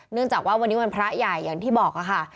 เนื่องจากว่าวันนี้วันพระใหญ่อย่างที่บอกค่ะ